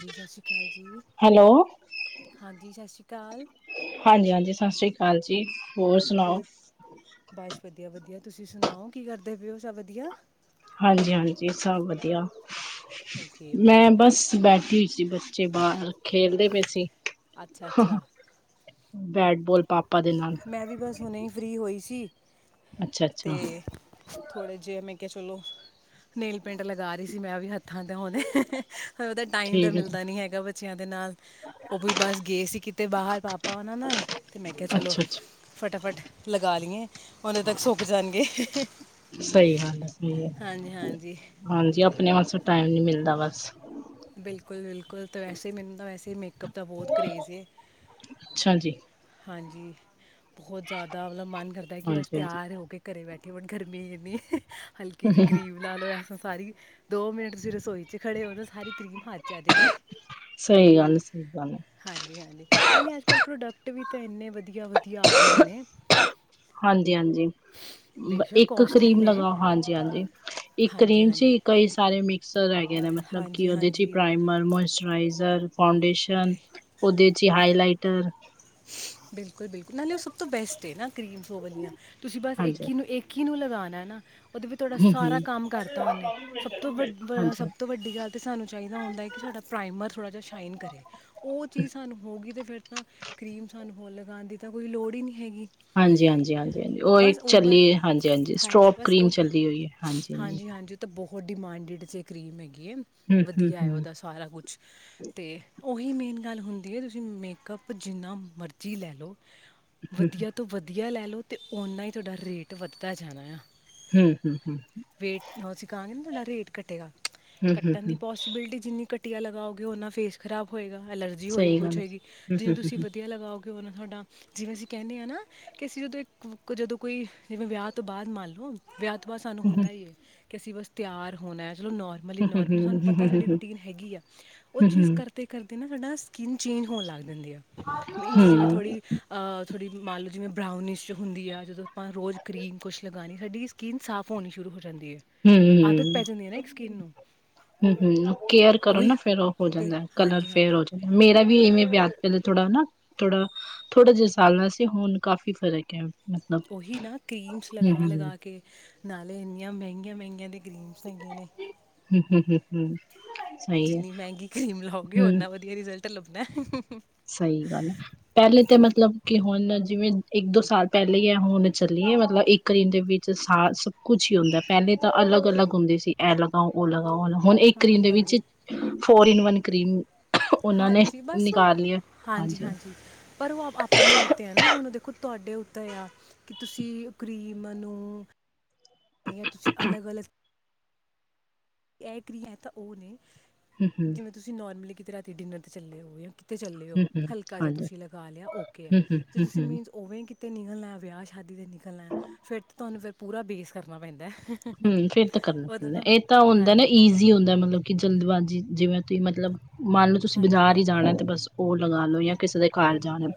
ਦੀ, ਸਾਸ਼ਰੀ ਅਕਾਲ ਜੀ। ਹੈਲੋ ਹਾਂਜੀ ਸ਼ਾਸ਼ੀ ਅਕਾਲ। ਹਾਂਜੀ- ਹਾਂਜੀ ਸਤਿ ਸ੍ਰੀ ਅਕਾਲ ਜੀ। ਹੋਰ ਬਸ ਵਧੀਆ- ਵਧੀਆ ਤੁਸੀਂ ਸੁਣਾਓ ਕੀ ਕਰਦੇ ਪਏਓ ਸਭ ਵਧੀਆ? ਹਾਂਜੀ- ਹਾਂਜੀ ਸਭ ਵਧੀਆ, ਓਕੇ ਓਕੇ ਮੈਂ ਬਸ ਬੈਠੀ ਹੋਈ ਸੀ ਬ- ਬੱਚੇ ਬਾਹਰ ਖੇਲਦੇ ਪਏ ਸੀ। ਅੱਛਾ- ਅੱਛਾ। ਬੈਟਬੋਲ ਪਾਪਾ ਦੇ ਨਾਲ। ਮੈਂ ਵੀ ਬਸ ਹੁਣੇ ਹੀ ਫਰੀ ਹੋਈ ਸੀ, ਅੱਛਾ ਅੱਛਾ ਤੇ। ਥੋੜਾ ਜਿਹੇ ਮੈਂ ਕਿਹਾ ਚਲੋ ਨੇਲ ਪੇਂਟ ਲਗਾ ਰਹੀ ਸੀ ਮੈਂ ਵੀ ਹੱਥਾਂ ਤੇ ਹੁਣੇ। ਉਹਦਾ ਟਾਈਮ ਤਾਂ ਠੀਕ ਹੈ ਜੀ। ਮਿਲਦਾ ਨੀ ਹੈਗਾ ਬੱਚਿਆਂ ਦੇ ਨਾਲ। ਉਹ ਵੀ ਬਸ ਗਏ ਸੀ ਕਿਤੇ ਬਾਹਰ ਪਾਪਾ ਉਹਨਾਂ ਨਾਲ, ਤੇ ਮੈਂ ਕਿਹਾ ਚਲੋ। ਅੱਛਾ ਅੱਛਾ ਫਟਾਫਟ ਲਗਾ ਲਈਏ ਉੇਨਾ ਤੱਕ ਸੁੱਕ ਜਾਣਗੇ। ਹਾਂ ਹਾਂਜੀ ਹਾਂਜੀ ਹਾਂਜੀ ਆਪਣੇ ਵਾਸਤੇ ਟਾਈਮ ਨੀ ਮਿਲਦਾ ਬਸ। ਬਿਲਕੁਲ- ਬਿਲਕੁਲ ਤਾਂ ਵੈਸੇ ਮੈਨੂੰ ਤਾਂ ਵੈਸੇ ਹੀ ਮੇਕਅੱਪ ਦਾ ਬਹੁਤ ਕਰੇਜ਼ ਹੈ। ਅੱਛਾ ਜੀ ਹਾਂਜੀ ਬਹੁਤ ਜ਼ਿਆਦਾ ਮਤਲਬ ਮਨ ਕਰਦਾ ਕਿ ਬਸ ਹਾਂਜੀ ਹਾਂਜੀ ਤਿਆਰ ਹੋ ਕੇ- ਘਰੇ ਬੈਠੇ ਹੋਣ ਗਰਮੀ ਐਨੀ ਐ ਹਲਕੀ ਜੀ ਕਰੀਮ। ਲਾ ਲਓ ਐਸਾ ਸਾਰੀ ਦੋ ਮਿੰਟ ਤੁਸੀਂ ਰਸੋਈ ਚ ਖੜੇ ਹੋ ਜੋ ਸਾਰੀ ਕ੍ਰੀਮ ਖਾਚ ਆ ਜਾਏਗੀ। ਸਹੀ ਗੱਲ ਹੈ- ਸਹੀ ਗੱਲ ਹੈ। ਹਾਂਜੀ- ਹਾਂਜੀ ਨਹੀਂ- ਨਹੀਂ ਅੱਜ ਕੱਲ ਪ੍ਰੋਡਕਟ ਵੀ ਤਾਂ ਇੰਨੇ ਵਧੀਆ- ਵਧੀਆ ਆ ਗਏ ਦੇ ਨੇ। ਹਾਂਜੀ- ਹਾਂਜੀ ਬੇਸ਼ੱਕ ਇੱਕ ਕੋਸਟਲੀ ਕਰੀਮ ਨੇ ਲਗਾਓ ਹਾਂਜੀ- ਹਾਂਜੀ। ਇੱਕ ਹਾਂਜੀ ਕਰੀਮ ਚ ਹਾਂਜੀ ਕਈ ਸਾਰੇ ਮਿਕਸਰ ਹੈਗੇ ਨੇ ਮਤਲਬ ਕਿ ਹਾਂਜੀ ਉਹਦੇ ਚ ਹਾਂਜੀ ਪ੍ਰਾਈਮਰ, ਮੋਇਸਚਰਾਈਜਰ, ਫਾਊਂਡੇਸ਼ਨ, ਬੇ ਉਹਦੇ ਚ ਹੀ ਹਾਈਲਾਈਟਰ। ਬਿਲਕੁਲ- ਬਿਲਕੁਲ ਨਾਲੇ ਉਹ ਸਭ ਤੋਂ ਬੈਸਟ ਹੈ ਨਾ ਕਰੀਮ ਔ ਵਾਲੀਆਂ ਤੁਸੀਂ ਬਸ ਹਾਂਜੀ ਇੱਕ ਹੀ ਨੂੰ ਇਕ- ਕੀ ਨੂੰ ਲਗਾਉਣਾ ਨਾ ਉਹਦੇ ਵਿੱਚ ਤੁਹਾਡਾ ਸਾਰਾ ਹੂੰ-ਹੂੰ ਕੰਮ ਕਰਤਾ ਉਹਨੇ ਸਭ ਤੋਂ ਵੱ ਹਾਂਜੀ। ਸਭ ਤੋਂ ਵੱ ਅਡੀ ਗੱਲ ਤੇ ਸਾਨੂੰ ਚਾਹੀਦਾ ਹੁੰਦਾ ਕਿ ਸਾਡਾ ਪ੍ਰਾਈਮਰ ਥੋੜਾ ਜਿਹਾ ਸ਼ਾਈਨ ਕਰੇ। ਉਹ ਚੀਜ਼ ਸਾਨੂੰ ਹੋ ਗਈ ਤੇ ਫੇਰ ਤਾਂ ਕਰੀਮ ਸਾਨੂੰ ਹੋਰ ਲਗਾਉਣ ਦੀ ਤਾਂ ਕੋਈ ਲੋੜ ਹੀ ਨਹੀਂ ਹੈਗੀ। ਹਾਂਜੀ- ਹਾਂਜੀ, ਹਜੀ ਹਾਂ ਉਹ ਇਕ ਬਸ ਚੱਲੀ ਗੱਲ ਐ ਹਾਂਜੀ- ਹਾਂਜੀ ਸਟਰੋਪ ਬਸ ਕਰੀਮ ਉਹ ਚੱਲੀ ਹੋਈ ਹੈ, ਹਾਂਜੀ- ਹਾਂਜੀ। ਤਾਂ ਬਹੁਤ ਡਿਮਾਂਡਿਡ ਜੇ ਕਰੀਮ ਹੈਗੀ ਹੈ, ਵਧੀਆ ਹੈ ਹੂੰ-ਹੂੰ-ਹੂੰ, ਉਹਦਾ। ਸਾਰਾ ਕੁਛ ਤੇ ਉਹੀ ਮੇਨ ਗੱਲ ਹੁੰਦੀ ਹੈ ਤੁਸੀਂ ਮੇਕਅਪ। ਜਿੰਨਾ ਮਰਜ਼ੀ ਲੈ ਲਓ, ਵਧੀਆ ਤੋਂ ਵਧੀਆ ਲੈ ਲਓ। ਤੇ ਓਨਾਂ ਹੀ ਤੁਹਾਡਾ ਰੇਟ ਵੱਧਦਾ ਜਾਣਾ ਆ। ਹੂੰ-ਹੂੰ, ਹੂੰ-ਹੂੰ। ਰੇਟ ਹ ਅਸੀਂ ਕਹਾਂਗੇ ਨਾ ਤੁਹਾਡਾ ਰੇਟ ਕਟੇਗਾ ਕੱਟਣ ਦੀ ਹੂੰ-ਹੂੰ-ਹੂੰ ਪੋਸ- ਬਿਲਡੀ ਜਿੰਨੀ ਘੱਟੀਆ ਲਗਾਓਗੇ, ਓਨਾ ਫੇਸ ਖਰਾਬ ਹੋਏਗਾ, ਐਲਰਜੀ ਹੋਏਗੀ, ਸਹੀ ਕੁਛ ਗੱਲ ਹੈ। ਹੋਏਗੀ। ਜਿੰਨੀ ਹੂੰ-ਹੂੰ-ਹੂੰ, ਤੁਸੀਂ ਵਧੀ ਆ ਲਗਾਓ ਗੇ ਓਨਾ ਥੋਡਾ ਜਿਵੇਂ ਅਸੀਂ ਕੈਨੇ ਆਂ ਨਾ ਕਿ ਅਸੀਂ ਜਦੋਂ ਇਕ ਜਦੋਂ ਕੋਈ ਜਿਵੇਂ ਵਿਆਹ ਤੋਂ ਬਾਦ ਮੰਨ ਲੋ। ਵਿਆ ਤੋਂ ਬਾਦ ਸਾਨੂੰ ਹੁੰਦਾ ਹੀ ਏ, ਕਿ ਅਸੀਂ ਬਸ ਤਿਆਰ ਹੋਣਾ ਐ। ਚਲੋ ਨੋਰਮ ਮਲੀ ਨੋਰਮਲ ਸਾਨੂੰ ਪਤਾ ਸਾਡੀ ਹੂੰ-ਹੂੰ-ਹੂੰ, ਰੂਟੀਨ ਹੈਗੀ ਆ, ਓਹ ਚੀਜ਼ ਹੂੰ-ਹੂੰ-ਹੂੰ, ਕਰ ਤੇ ਕਰਦੇ ਨਾ ਸਾਡਾ ਸਕਿੰਨ ਚੇਂਜ ਹੋਣ ਲੱਗ ਜਾਂਦੀ ਆ। ਮੀਨਸ ਜਿਵੇਂ ਹੂੰ-ਹੂੰ, ਥੋੜੀ ਅ ਥੋੜੀ ਮੰਨ ਲੋ ਜਿਵੇਂ ਬਰਾਊਨਿਸ਼ ਹੁੰਦੀ ਐ, ਜਦੋਂ ਅਪਾਂ ਰੋਜ਼ ਕਰੀਮ ਕੁਛ ਲਗਾਣੀ ਸਾਡੀ ਸ- ਸਕਿੰਨ ਸਾਫ਼ ਹੋਣੀ ਸ਼ੁਰੂ ਹੋ ਜਾਂਦੀ ਅ। ਆਦਤ ਹੂੰ-ਹੂੰ। ਪੈ ਜਾਂਦੀ ਏ ਨਾ ਇੱਕ ਸਕਿੰਨ ਨੂੰ। ਹੂੰ-ਹੂੰ, ਕੇਅਰ ਕਰੋ ਉਹੀ ਨਾ ਫੇਰ ਓਹ ਹੋ ਬਿਲ ਜਾਂਦਾ ਕਲਰ ਹਾਂਜੀ ਫੇਅਰ ਹਾਂਜੀ ਹੋ ਜਾਂਦਾ। ਮੇਰਾ ਵੀ ਇਵੇਂ ਵਿਆਹ ਪੈਲੇ ਥੋੜਾ ਨਾ ਥੋੜਾ- ਥੋੜਾ ਜੇਆ ਸਾਵਲਾ ਸੀ, ਹੁਣ ਕਾਫ਼ੀ ਫਰਕ ਹੈ। ਮਤਲਬ ਓਹੀ ਨਾ ਕਰੀਮਸ ਹੂੰ-ਹੂੰ ਲਗਾ-ਲਗਾ ਕੇ, ਨਾਲੇ ਇੰਨੀਆਂ ਮੈੰਗੀਆਂ-ਮੈੰਗੀਆਂ ਤੇ ਕਰੀਮਸ ਹੈਗੀਆਂ ਨੇ। ਹੂੰ-ਹੂੰ, ਹੂੰ-ਹੂੰ। ਜਿੰਨੀ ਮੈੰਗੀ ਕਰੀਮ ਲਾਓਗੇ, ਓਨਾ ਵਧੀਆ ਰਿਜ਼ਲਟ ਲੱਭਣਾ ਐ। ਸਈ ਗੱਲ ਆ। ਪੈਲੇ ਤੇ ਮਤਲਬ ਕਿ ਹੁਣ ਜਿਵੇਂ ਇੱਕ ਦੋ ਸਾਲ ਪੈਲੇ ਏਹ ਹੁਣ ਚੱਲੀ ਏ ਮਤਲਬ ਇੱਕ ਕਰੀਮ ਦੇ ਵਿੱਚ ਸਾ ਸਭ ਕੁਛ ਹੀ ਹੁੰਦਾ ਏ, ਪੈਲੇ ਤਾਂ ਅਲੱਗ-ਅਲੱਗ ਹੁੰਦੀ ਸੀ, ਐ ਅਲੱਗ ਹਾਂ ਓ ਲਗਾਓ ਓ ਲਗਾ, ਹੁਣ ਇੱਕ ਕਰੀਮ ਹਾਂਜੀ ਦੇ ਵਿੱਚ ਹਾਂਜੀ ਫੋਰ ਇਨ ਵਨ ਕਰੀਮ ਉਹਨਾਂ ਹਾ ਨੇ ਜੀ ਬਸ ਓਹ, ਨਿਕਾਲ ਲਿਆ ਹਾਂਜੀ ਹਾਂਜੀ-ਹਾਂਜੀ। ਪਰ ਵੋ ਅਭ ਅਪਣੇ ਉੱਤੇ ਐ ਨਾ, ਹੁਣ ਦੇਖੋ ਤੁਆਡੇ ਉੱਤੇ ਆ। ਕਿ ਤੁਸੀਂ ਓ ਕਰੀਮ ਨੂੰ, ਯਾ ਤੁਸੀਂ ਅਲੱਗ-ਅਲੱਗ ਐ ਕ੍ਰੀ ਐ ਤਾਂ ਓ ਨੇ, ਹੂੰ-ਹੂੰ ਜਿਵੇਂ ਤੁਸੀਂ ਨੋਰਮਲੀ ਕਿਤੇ ਰਾਤੀ ਡਿਨਰ ਤੇ ਚੱਲੇ ਔ ਯਾ ਕਿ ਤੇ ਚੱਲੇ ਓ, ਹੂੰ-ਹੂੰ, ਹਲਕਾ ਜਾ ਹਾਂਜੀ, ਤੁਸੀਂ ਲਗਾ ਲੇਆ, ਓਕੇ ਆ। ਹੂੰ-ਹੂੰ, ਹੂੰ-ਹੂੰ। ਜੇ ਹੂੰ, ਤੁਸੀਂ ਹੂੰ। ਮੀਨਸ ਓਵੇਂ ਕਿਤੇ ਨਿਕਲਣਾ ਏ, ਵੇਆਹ ਸ਼ਾਦੀ ਤੇ ਨਿਕਲਣਾ ਏ, ਫੇਰ ਤੇ ਤੁਆਨੂੰ ਫੇਰ ਪੂਰਾ ਬੇਸ ਕਰਨਾ ਪੈਂਦਾ ਏ। ਹੂੰ, ਫੇਰ ਤੇ ਕਰਨਾ ਪੈਂਦਾ ਏ। ਏਹ ਤਾਂ ਹੁੰਦਾ ਏ ਨਾ ਹਾਂਜੀ ਈਜ਼ੀ ਹੁੰਦਾ ਏ ਮਤਲਬ ਕਿ ਜਲਦਬਾਜ਼ੀ ਜਿਵੇਂ ਤੁਹੀਂ ਮਤਲਬ ਮਾਨ ਲੋ ਤੁਸੀਂ ਹਾਂਜੀ ਬਜਾਰ ਈ ਹਾਂਜੀ ਜਾਣਾ ਏ ਤੇ ਬਸ ਓਹ ਲਗਾ ਲੋੋ ਯਾ ਉਦੋਂ ਕਿਸੇ ਦੇ ਕਾਰ ਉਹ ਜਾਣਾ ਏ,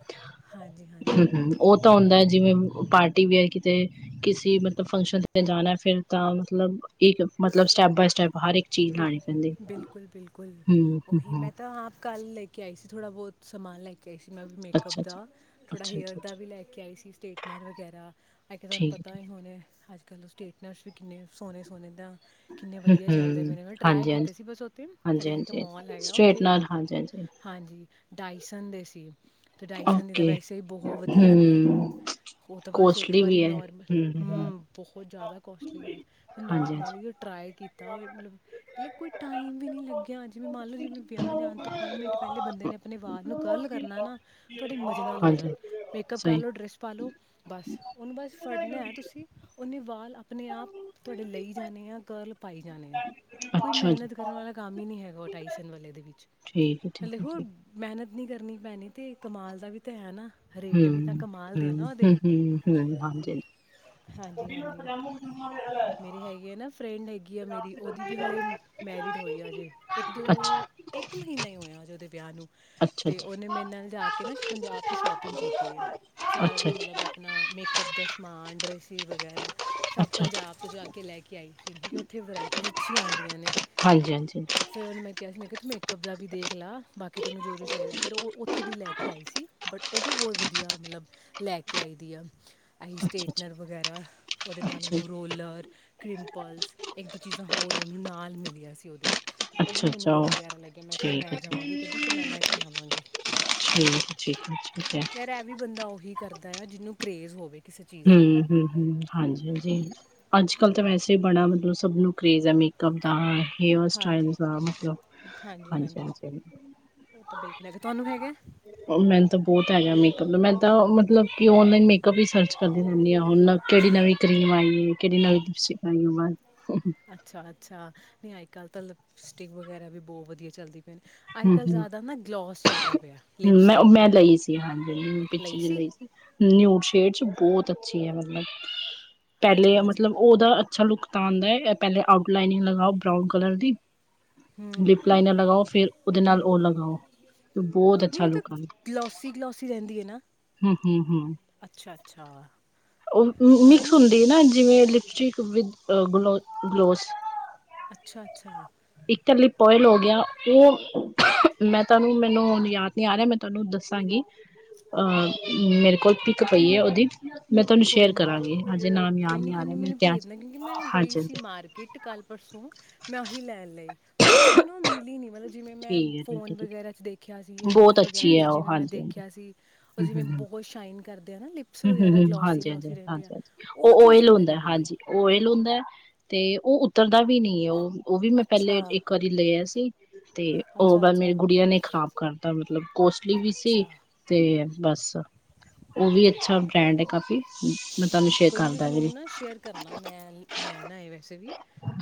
ਹਾਂਜੀ ਹਾਂਜੀ ਹਮ-ਹਮ। ਓਹ ਤਾਂ ਹੁੰਦਾ ਏ, ਜਿਵੇਂ ਪਾਰਟੀ ਵੀਅਰ ਕਿਤੇ ਕਿਸੀ ਮਤਲਬ ਫੰਕਸ਼ਨ ਤੇ ਜਾਣਾ ਏ ਫੇਰ ਤਾਂ ਮਤਲਬ ਇੱਕ ਮਤਲਬ ਸਟੈਪ ਬਾਏ ਸਟੈਪ ਹਰ ਇੱਕ ਚੀਜ਼ ਬਿਲ ਲਾਣੀ ਪੈਂਦੀ। ਬਿਲਕੁਲ-ਬਿਲਕੁਲ, ਹੂੰ, ਓਹੀ ਹੂੰ-ਹੂੰ, ਮੈਂ ਤਾਂ ਆਪ ਕੱਲ੍ਹ ਲੈ ਕੇ ਆਈ ਸੀ ਥੋੜ੍ਹਾ ਬੌਤ। ਸਮਾਨ ਲੈ ਕੇ ਆਈ ਸੀ ਮੈਂ ਵੀ ਮੇਕਅੱਪ ਅੱਛਾ-ਅੱਛਾ। ਦਾ। ਥੋੜਾ ਹੇਅਰ ਦਾ ਅੱਛਾ-ਅੱਛਾ-ਅੱਛਾ, ਵੀ ਲੈ ਕੇ ਆਈ ਸੀ, ਸਟੇਟਨਰ ਵਗੈਰਾ। ਐ ਕੇ ਤੁਆਨੂੰ ਠੀਕ ਪਤਾ ਐ-ਠੀਕ ਹੀ ਹੋਣਾ ਏ ਅੱਜ-ਕੱਲ੍ਹ ਸਟੇਟਨਰਸ ਵੀ ਕਿੰਨੇ ਸੋਣੇ-ਸੋਣੇ ਦਾ, ਕਿੰਨੇ ਐ, ਵਧੀਆ ਚੱਲ ਮਿਲਦੇ ਪਏ ਹੂੰ-ਹੂੰ, ਨੇ, ਮ ਟਰਾਏ ਹਾਂਜੀ-ਹਾਂਜੀ, ਕੀਤੇ ਸੀ ਬਸ ਓਥੇ, ਸਾਡੇ ਥੇ ਇੱਕ ਹਾਂਜੀ-ਹਾਂਜੀ। ਮੋਲ ਹੈਗਾ ਓਥੇ ਸਟ੍ਰੇਟਨਰ ਹਾਂਜੀ-ਹਾਂਜੀ, ਹਾਂਜੀ, ਡਾਇਸਨ ਦੇ ਸੀ, ਤੇ ਡਾਇਸਨ ਦੇ ਤਾਂ ਓਕੇ। ਵੈਸੇ ਈ ਬੋਹ ਵਧੀਆ ਨੇ। ਹੂੰ, ਓਹ ਤਾਂ ਬਸ ਇੱਕ ਕੋਸਟਲੀ ਵਾਰੀ ਵੀ ਹੈ ਨੋਰਮਲ, ਹੂੰ ਬਹੋਤ ਜਾਦਾ ਕੋਸਟਲੀ ਆ। ਤੇ ਨੋਰਮਲੀ ਹਾਂਜੀ-ਹਾਂਜੀ। ਤ ਟਰਾਏ ਕੀਤਾ ਔਏ ਮਤਲਬ, ਮਤਲਬ ਕੋਈ ਟਾਈਮ ਵੀ ਨੀ ਲੱਗੇਆ। ਜਿਵੇਂ ਮੰਨ ਲੋ, ਜਿਵੇਂ ਵਿਆਹ ਜਾਣ ਤੋਂ ਪੰਜ ਮਿੰਟ ਪੈਲੇ ਬੰਦੇ ਨੇ ਅਪਣੇ ਵਾਲ ਨੂੰ ਕਰਲ ਕਰਨਾ ਏ ਨਾ ਤੁਆਡੇ ਮਜ਼ੇ ਨਾਲ ਹੋ ਹਾਂਜੀ, ਜਾਣ। ਮੇਕਅਪ ਕਰ ਸਹੀ। ਲੋ, ਡਰੈਸ ਪਾ ਲੋ। ਬਸ ਓਨੂੰ ਬਸ ਫੜਨਾ ਏ ਤੁਸੀ, ਓਨੇ ਵਾਲ ਅਪਣੇ ਆਪ ਤੁਆਡੇ ਲਈ ਜਾਣੇ ਆ, ਕਰਲ ਪਾਈ ਜਾਣੇ ਆ। ਕੋਈ ਅੱਛਾ ਜੀ, ਮੈਹਨਤ ਕਰਨ ਵਾਲਾ ਕੰਮ ਹੀ ਨੀ ਹੈਗਾ ਓਹ ਡਾਈਸਨ ਵਾਲੇ ਦੇ ਵਿੱਚ। ਠੀਕ ਹੈ, ਠੀਕ ਹਲੇ ਹੈ, ਹੂਗ ਠੀਕ ਮੈਹਨਤ ਨੀ ਕਰਨੀ ਪੈਣੀ ਤੇ ਕਮਾਲ ਦਾ ਵੀ ਤੇ ਹੈ ਨਾ। ਰੇਟ ਹੂੰ। ਵੀ ਤਾਂ ਹੂੰ, ਕਮਾਲ ਦੇ ਆ ਹੂੰ, ਨਾ ਓਦੇ। ਹੂੰ, ਹੂੰ, ਹਾਂਜੀ। ਹਾਂਜੀ-ਹਾਂਜੀ। ਮੇਰੇ ਹੈਗੀ ਏ ਨਾ ਫਰੈਂਡ ਹੈਗੀ ਆ ਮੇਰੀ, ਓਦੀ ਵੀ ਹਲੇ ਮੈਰਿਡ ਹੋਈ ਆ ਹਜੇ। ਇੱਕ ਅੱਛਾ, ਦੋ ਇੱਕ ਮਹੀਨਾ ਹੀ ਹੋਯਾ ਹਜੇ ਓਦੇ ਵਿਆਹ ਨੂੰ। ਅੱਛਾ, ਤੇ ਓਨੇ ਮੇਰੇ ਨਾਲ ਜਾ ਕੇ ਨਾ ਪੰਜਾਬ ਤੋਂ ਸ਼ੋਪਿੰਗ ਕੀਤੀ ਏ। ਅੱਛਾ। ਸਾਰਾ ਅੱਛਾ, ਕੁਛ ਮਤਲਬ ਅਪਣਾ, ਮੇਕਅੱਪ ਦਾ ਸਮਾਨ, ਡਰੈਸਿਸ ਵਗੈਰਾ, ਸਭ ਅੱਛਾ, ਪੰਜਾਬ ਤੋਂ ਜਾ ਕੇ ਲੈ ਕੇ ਆਈ ਸੀ। ਕਿ ਓਥੇ ਵਰਾਇਟੀਜ਼ ਅੱਛੀਆਂ ਆੰਦੀਆਂ ਨੇ। ਹਾਂਜੀ-ਹਾਂਜੀ, ਫੇਰ ਓਨੂੰ ਮੈਂ ਕੇਆ ਸੀ, ਮੈਂ ਕੇਆ ਤੂੰ ਮੇਕਅਪ ਦਾ ਵੀ ਦੇਖ ਲਾ, ਬਾਕੀ ਤੈਨੂੰ ਜੋ-ਜੋ ਚਾਈਦਾ, ਫੇਰ ਓਹ ਉੱਥੋਂ ਦੀ ਲੈ ਕੇ ਆਈ ਸੀ। ਬਟ ਓਹ ਵੀ ਬੋਤ ਵਧੀਆ ਮਤਲਬ ਲੈ ਕੇ ਆਈ ਦੀ ਆ। ਆਈ ਅੱਛਾ-ਅੱਛਾ, ਸਟੇਟਨਰ ਵਗੈਰਾ, ਓਹਦੇ ਨਾਲ ਅੱਛਾ। ਉਹਨੂੰ ਰੋਲ ਰ ਕ੍ਰਿੰਪਲਸ ਇੱਕ ਦੋ ਚੀਜ਼ਾਂ ਹੋਰ ਓਹਨੂੰ ਨਾਲ ਮਿਲੀਆਂ ਸੀ ਉਹਦੇ। ਓਹ ਵੀ ਮੈਨੂੰ ਅੱਛਾ-ਅੱਛਾ, ਬੜਾ ਪਿਆਰਾ ਲੱਗੇਆ, ਮੈਂ ਚੱਲ ਠੀਕ ਮੈਂ ਹੈ, ਜਾਵਾਂਗੀ ਕਦੀ ਤੇ ਮੈਂ ਲੈ ਕੇ ਆਵਾਂਗੀ। ਠੀਕ-ਠੀਕ, ਠੀਕ ਏ। ਯਾਰ ਏਹ ਵੀ ਬੰਦਾ ਓਹੀ ਕਰਦਾ ਏ ਜਿਹਨੂੰ ਕਰੇਜ਼ ਹੋਵੇ। ਕਿਸੇ ਚੀਜ਼ ਦਾ ਹਮ, ਹਮ-ਹਮ। ਹਾਂਜੀ-ਹਾਂਜੀ ਅੱਜ ਕੱਲ੍ਹ ਤੇ ਵੈਸੇ ਈ ਬੜਾ ਮਤਲਬ ਸਭ ਨੂੰ ਕਰੇਜ਼ ਏ ਮੇਕਅਪ ਦਾ। ਹੇਅਰ ਹਾਂਜੀ ਸਟਾਈਲ ਜ਼ਾ ਮਤਲਬ, ਹਾਂਜੀ ਹਾਂਜੀ ਹਾਂਜੀ-ਹਾਂਜੀ। ਉਹ ਤਾਂ ਬਿਲਕੁਲ ਹੈਗਾ, ਤੁਹਾਨੂੰ ਹੈਗਾ? ਮੈਨੂੰ ਤਾਂ ਬਹੁਤ ਹੈਗਾ ਮੇਕਅਪ ਦਾ, ਮੈਂ ਤਾਂ ਮਤਲਬ ਕਿ ਔਨਲਾਈਨ ਮੇਕਅਪ ਹੀ ਸਰਚ ਦੀ ਰਦੀ ਹ, ਹੁਣ ਕਿਹੜੀ ਨਵੀਂ ਕਰੀਮ ਆਈ ਹੈ, ਕਿਹੜੀ ਨਵੀਂ ਅੱਛਾ ਅੱਛਾ, ਨਹੀਂ ਅੱਜ ਕੱਲ੍ਹ ਤਾਂ ਲਿਪਸਟਿਕ ਵਗੈਰਾ ਵੀ ਬਹੁਤ ਵਧੀਆ ਚੱਲਦੀ ਪਏ ਨੇ ਅੱਜ ਕੱਲ੍ਹ ਜ਼ਿਆਦਾ ਨਾ, ਗਲੋਸ ਚੱਲਦਾ ਪਿਆ। ਹਮ ਲਿਪਸ ਮੈਂ ਦੇ ਮੈਂ ਉੱਤੇ, ਲਈ ਸੀ, ਹਾਂਜੀ, ਪਿੱਛੇ ਜਿਹੀ ਲਈ ਸੀ। ਨਿਊ ਸ਼ੇਡ ਚ ਬਹੁਤ ਅੱਛੀ ਹੈ ਮਤਲਬ, ਪਹਿਲੇ ਅੱਛਾ-ਅੱਛਾ, ਮਤਲਬ ਉਹਦਾ ਅੱਛਾ ਲੁੱਕ ਤਾਂ ਆਂਦਾ ਹੈ, ਇਹ ਪਹਿਲੇ ਆਊਟ ਲਾਈਨਿੰਗ ਲਗਾਓ ਬਰਾਊਨ ਕਲਰ ਦੀ ਹੂੰ, ਲਿਪ ਲਾਈਨ ਲਗਾਓ, ਫੇਰ ਉਹਦੇ ਨਾਲ ਉਹ ਲਗਾਓ, ਬਹੁਤ ਅੱਛਾ ਲੁਕ ਗਲੋਸੀ ਗਲੋਸੀ, ਰਹਿੰਦੀ ਹੈ ਨਾ। ਹਮ ਹਮ ਹਮ, ਅੱਛਾ-ਅੱਛਾ, ਉਹ ਮਿਕਸ ਮੈਨੂੰ ਹੁੰਦੀ ਨਾ ਜਿਵੇਂ ਲਿਪਸਟਿਕ ਵਿਦ, ਗ ਗਲੋਜ਼ ਅੱਛਾ, ਅੱਛਾ। ਇਕੱਲੀ ਪੋਇਲ ਹੋ ਗਿਆ, ਉਹ ਮੈਂ ਤੁਹਾਨੂੰ ਮੈਨੂੰ ਹ ਯਾਦ ਨੀ ਆ ਰਿਹਾ, ਮੈਂ ਤੁਹਾਨੂੰ ਦੱਸਾਂਗੀ ਅ ਮੇਰੇ ਕੋਲ ਪਿਕ ਪਈ ਹੈ, ਉਹਦੀ ਮੈਂ ਤੁਹਾਨੂੰ ਕੋਈ ਸ਼ੇਅਰ ਨਹੀਂ। ਕਰਾਂਗੀ, ਹਜੇ ਨਾਮ ਕੋਈ ਯਾਦ ਨ ਨਹੀਂ ਆ ਕੋਈ ਰਿਹਾ, ਨਹੀਂ ਮ ਹਾਂਜੀ ਹਾਂਜੀ ਕਿਟ ਕੱਲ ਪਰਸੋਂ ਮੈਂ ਆਹੀ ਲੈਣ ਲਈਏ, ਬਟ ਮੈਨੂੰ ਨਾ ਉਹ ਮਿਲੀ ਨੀ ਮਤਲਬ ਜਿਵੇਂ ਮੈਂ ਠੀਕ ਹੈ ਠੀਕ ਫ਼ੋਨ ਹੈ ਠੀਕ ਵਗੈਰਾ 'ਚ ਦੇਖਿਆ ਸੀ ਹੈ, ਜਾਂ ਰੀਲ ਬਹੁਤ ਵਗੈਰਾ ਅੱਛੀ 'ਚ, ਹੈ ਉਹ ਜਿਵੇਂ ਮੈਂ ਹਾਂਜੀ ਹਾਂਜੀ ਦੇਖਿਆ ਸੀ ਉਹ ਹੂੰ ਜਿਵੇਂ ਹੂੰ ਹੂੰ ਬਹੁਤ ਸ਼ਾਈਨ ਕਰਦੇ ਆ ਨਾ, ਲਿਪਸ ਵਗੈਰਾ ਹ ਗਲੋਸ ਹਾਂਜੀ ਹਾਂਜੀ ਹ, ਉਹ ਓਇਲ ਹੁੰਦਾ ਮਿਲੀ ਹਾਂਜੀ ਉਹਏ ਲੋਂਉਦਾ ਤੇ, ਉਹ ਉੱਤਰਦਾ ਵੀ ਨਹੀਂ ਹੈ ਉਹ ਉਹ ਵੀ ਮੈਂ ਅੱਛਾ ਪਹਿਲੇ ਇੱਕ ਵਾਰੀ ਲਿਆ ਸੀ, ਤੇ ਅੱਛਾ ਉਹ ਮੇਰੇ ਅੱਛਾ ਗੁੜੀਆਂ ਨੇ ਖ਼ਰਾਬ ਕਰਤਾ ਮਤਲਬ ਕੋਸਟਲੀ ਵੀ ਸੀ, ਅੱਛਾ ਤੇ ਬਸ ਉਹ ਵੀ ਅੱਛਾ ਓਕੇ ਬ੍ਰੈਂਡ ਹੈ ਕਾਫੀ। ਮੈਂ ਤੁਹਾਨੂੰ ਸ਼ੇਅਰ ਕੋਈ ਨੀ ਕਰਦਾ ਤੁਸੀਂ ਵੀ ਮੈਨੂੰ ਨਾ ਸ਼ੇਅਰ ਕਰਨਾ, ਮੈਂ ਲੈਣਾ ਹੈ ਵੈਸੇ ਵੀ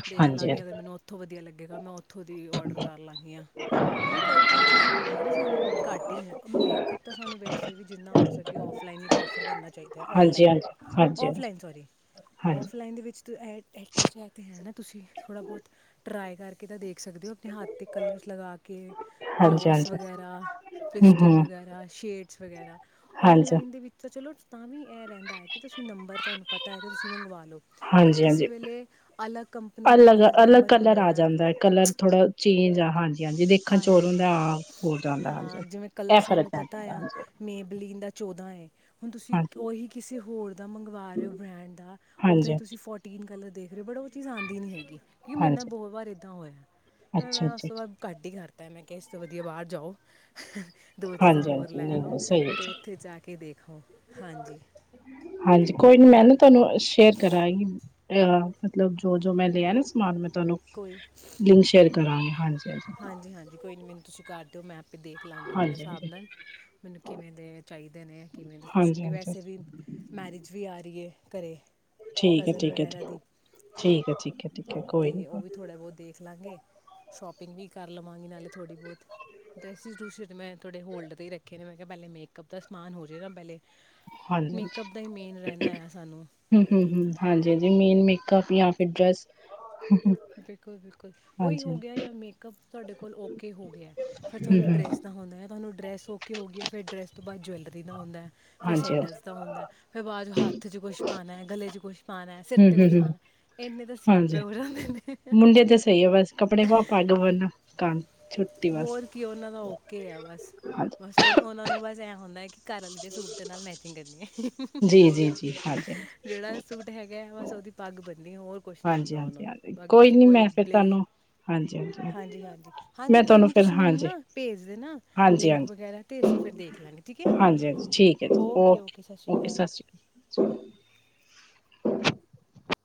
ਦੇਖ ਹਾਂਜੀ ਲਾਂਗੀ ਅਗਰ ਮੈਨੂੰ ਉੱਥੋਂ ਵਧੀਆ ਲੱਗੇਗਾ, ਮੈਂ ਉੱਥੋਂ ਦੀ ਔਡਰ ਕਰ ਲਾਨੀ ਆ। ਕਿਉਂ ਕਈ ਕਈ ਚੀਜ਼ਾਂ ਹੁੰਦੀਆਂ ਨੇ ਸਾਨੂੰ ਘੱਟ ਹੀ ਮਿਲ, ਮੇਕਅੱਪ ਤਾਂ ਸਾਨੂੰ ਵੈਸੇ ਵੀ ਜਿੰਨਾ ਹੋ ਸਕੇ ਔਫਲਾਈਨ ਹੀ ਪ੍ਰੈਫਰ ਕਰਨਾ ਚਾਹੀਦਾ ਹੈ। ਹਾਂਜੀ ਹਾਂਜੀ, ਹਾਂਜੀ। ਹਾਂਜੀ ਔਫਲਾਈਨ ਸੋਰੀ, ਹਾਂਜੀ ਔਫਲਾਈਨ ਦੇ ਵਿੱਚ ਤਾਂ ਐ ਐਟਲੀਸਟ ਤਾਂ ਹੈ ਨਾ ਤੁਸੀਂ ਥੋੜ੍ਹਾ ਬਹੁਤ ਟਰਾਈ ਕਰਕੇ ਤਾਂ ਦੇਖ ਸਕਦੇ ਹੋ, ਆਪਣੇ ਹੱਥ ਤੇ ਕਲਰਸ ਲਗਾ ਕੇ ਹਾਂਜੀ ਗਲੋਸ ਹਾਂਜੀ ਵਗੈਰਾ, ਹੂੰ ਪਲਿਸਟਿਕ ਹੂੰ ਵਗੈਰਾ, ਸ਼ੇਟਸ ਵਗੈਰਾ, ਹਾਂਜੀ ਔਨਲਾਈਨ ਦੇ ਵਿੱਚ ਤਾਂ ਚਲੋ ਤਾਂ ਵੀ ਇਹ ਰਹਿੰਦਾ ਹੈ, ਕਿ ਤੁਸੀਂ ਨੰਬਰ ਤੁਹਾਨੂੰ ਪਤਾ ਹੈ ਅਤੇ ਤੁਸੀਂ ਮੰਗਵਾ ਲਉ। ਬਟ ਹਾਂਜੀ ਕਿਸੇ ਹਾਂਜੀ ਵੇਲੇ, ਅਲੱਗ ਕੰਪਨੀ ਦਾ ਅਲੱਗ ਮੈਂਬਰ ਕਲਰ ਹੁੰਦਾ ਆ ਹੈ। ਜਾਂਦਾ ਕਲਰ ਥੋੜ੍ਹਾ ਚੇਂਜ, ਆ ਹਾਂਜੀ। ਹਾਂਜੀ ਦੇਖਣ ਔਰ ਹਾਂਜੀ ਹੁੰਦਾ, ਆਹ ਹੋਰ ਜਾਂਦਾ ਹਾਂ ਹਾਂਜੀ, ਜਿਵੇਂ ਕਲਰ ਇਹ ਫਰਕ ਸਾਨੂੰ ਪੈ ਪਤਾ ਪੈਂਦਾ ਆ ਹ। ਮੇਬਲੀਨ ਦਾ ਚੌਦਾਂ ਏ। ਹੁਣ ਤੁਸੀਂ ਹਾਂਜੀ ਉਹੀ ਕਿਸੇ ਹੋਰ ਦਾ ਮੰਗਵਾ ਰਹੇ ਹੋ ਬ੍ਰੈਂਡ ਦਾ, ਉਹ ਤਾਂ ਹਾਂਜੀ ਹੀ ਤੁਸੀਂ ਫੋਟੀ ਟੀਨ ਕਲਰ ਦੇਖ ਰਹੇ ਹੋ ਬਟ ਉਹ ਚੀਜ਼ ਆਉਂਦੀ ਨੀ ਹੈਗੀ, ਕਿਉਂਕਿ ਮੇਰੇ ਨਾਲ ਹਾਂਜੀ ਬਹੁਤ ਵਾਰ ਏਦਾਂ ਹੋਇਆ। ਫਿਰ ਅੱਛਾ ਮੈਂ ਉਸ ਅੱਛਾ ਤੋਂ ਅੱਛਾ ਬਾਅਦ ਘੱਟ ਹੀ ਕਰਤਾ, ਮੈਂ ਕਿਹਾ ਇਸ ਤੋਂ ਵਧੀਆ ਬਾਹਰ ਜਾਓ ਦੋ ਚੀਜ਼ਾਂ ਹਾਂਜੀ ਹੋਰ ਹਾਂਜੀ ਲੈ ਨਹੀਂ ਆਓ, ਨਹੀਂ ਸਹੀ ਹੈ ਤੇ ਜੀ। ਉੱਥੇ ਜਾ ਕੇ ਦੇਖਓ, ਹਾਂਜੀ। ਹਾਂਜੀ, ਕੋਈ ਨੀ ਇਹੀ ਮੈਂ ਨਾ ਤੁਹਾਨੂੰ ਸ਼ੇਰ ਕਰਾਈ ਅ, ਮਤਲਬ ਜੋ ਜੋ ਮੈਂ ਲਿਆ ਨਾ ਸਮਾਨ ਮੈਂ ਤੁਹਾਨੂੰ ਕੋਈ- ਲਿੰਕ ਸ਼ੇਅਰ ਕਰਾਂਗੇ ਹਾਂਜੀ। ਹਾਂਜੀ ਹਾਂਜੀ-ਹਾਂਜੀ ਕੋਈ ਨੀ ਮੈਨੂੰ ਤੁਸੀਂ ਕਰ ਦਿਓ ਮੈ ਆਪੇ ਦੇ ਖ ਲਾਂਗੇ ਅਪਣੇ ਹਾਂਜੀ ਹਿਸਾਬ ਨਾਲ, ਮੈਨੂੰ ਕਿਵੇਂ ਦੇ ਚਾਹੀਦੇ ਨੇ? ਕਿਵੇਂ ਦੇ ਕੁਛ ਹਾਂਜੀ ਹਾਂਜੀ ਕਿਉਂਕਿ? ਵੈਸੇ ਵੀ ਹਾਂਜੀ ਮੈਰਿਜ ਵੀ ਆ ਰੀ ਏ ਘਰੇ। ਠੀਕ ਹੈ ਕਜ਼ਨ ਠੀਕ ਹੈ ਵਗੈਰਾ ਠੀਕ ਦੀ ਠੀਕ ਹੈ ਠੀਕ ਹੈ ਠੀਕ ਹੈ ਤੇ ਕੋਈ ਨੀ ਓ ਵੀ ਥੋੜਾ ਬੋਤ ਦੇਖ ਲਾਂਗੇ ਸ਼ੋਪਿੰਗ ਵੀ ਕਰ ਲਵਾਂਗੇ ਨਾਲੇ ਥੋੜ੍ਹੀ ਬੋਤ। ਡਰੈਸਿਸ ਡਰੂਸਿਟ ਮੈਂ ਥੋੜ੍ਹੇ ਹੋਲਡ ਤੇ ਈ ਰੱਖੇ ਨੇ ਮੈਂ ਕਿਆ ਪੈਲੇ ਮੇਕਅੱਪ ਦਾ ਸਮਾਨ ਹੋ ਜੇਗਾ ਪੈਲੇ। ਮੇਕਅੱਪ ਦਾ ਈ ਮੇਨ ਰੈਂਦਾ ਆ ਸਾਨੂੰ। ਹੂੰ ਹੂੰ ਹੂੰ ਹਾਂਜੀ-ਹਾਂਜੀ ਮੇਨ ਮੇਕਅਪ ਯਾ ਫਿਰ ਡਰੈੱਸ। ਬਿਲਕੁਲ-ਬਿਲਕੁਲ ਓਈ ਹੋ ਗਿਆ ਯਾ ਮੇਕਅਪ ਤੁਆਡੇ ਕੋਲ ਓਕੇ ਹੋ ਗਿਆ। ਫਿਰ ਹੂੰ ਤੁਆਨੂੰ ਹੂੰ ਡਰੈਸ ਦਾ ਹੁੰਦਾ ਐ ਤੁਆਨੂੰ ਡਰੈਸ ਓਕੇ ਹੋ ਗਈ ਏ ਫਿਰ ਡਰੈਸ ਤੋਂ ਬਾਦ ਜੁਐਲਰੀ ਦਾ ਹੁੰਦੈ। ਫੇਰ ਹਾਂਜੀ ਸੈਂਡਲਸ ਹੂੰ ਦਾ ਹੁੰਦਾ ਫੇਰ ਬਾਦ ਚ ਹੱਥ ਚ ਕੁਛ ਪਾਨਾ ਐ, ਗਲੇ ਚ ਕੁੱਛ ਪਾਨਾ, ਸਿਰ ਤੇ ਹੂੰ ਕੁਛ ਹੂੰ ਲਾਨਾ ਇੰਨੇ ਤਾਂ ਸਿਆਪੇ ਹੋਰ ਉਂਦੇ ਨੇ। ਮੁੁੰਡੇ ਤੇ ਸਈ ਆ ਬਸ ਕੱਪੜੇ ਪਾਓ ਪਗ ਬੰਨੋ। ਕਣ ਹੋਰ ਕੀ ਓਨਾਂ ਦਾ ਓਕੇ ਆ ਬਸ, ਹਾਂਜੀ ਬਸ ਓ ਓਨਾਂ ਨੂੰ ਬਸ ਐ ਹੁੰਦਾ ਕਿ ਘਰ ਆਲੀ ਦੇ ਸੂਟ ਦੇ ਨਾਲ ਮੈਚਿੰਗ ਕਰਨੀ ਐ ਜੀ ਜੀ ਜੀ ਹਾਂਜੀ ਜੇੜਾ ਸੂਟ ਹੈਗਾ ਬਸ ਓਦੀ ਪੱਗ ਬੰਨੀ ਹੋਰ ਕੁਛ ਨੀ ਹਾਂਜੀ ਹੁੰਦਾ ਓਨਾਂ ਹਾਂਜੀ ਨੂੰ ਹਾਂਜੀ ਬਾਕੀ ਤੁਸੀਂ ਨੀ ਕੋਈ ਮੈਂ ਫਿਰ ਬਲੇ ਤੁਹਾਨੂੰ ਹਾਂਜੀ ਹਾਂਜੀ ਹਾਂਜੀ-ਹਾਂਜੀ ਹਾਂਜੀ ਮੈਂ ਕੋਈ ਤੁਹਾਨੂੰ ਨਈ ਫਿਰ ਤੁਸੀਂ ਮੈਨੂੰ ਹਾਂਜੀ ਨਾ ਭੇਜ ਦੇਨਾ ਹਾਂਜੀ ਲਿੰਕ ਵਗੈਰਾ ਤੇ ਅਸੀਂ ਫਿਰ ਦੇਖ ਲਾਂਗੇ ਠੀਕ ਐ। ਹਾਂਜੀ-ਹਾਂਜੀ ਠੀਕ ਐ ਜੀ ਓਕੇ ਓਕੇ ਅਕਾਲ ਸਾਸ਼੍ਰੀ ਕਾਲ।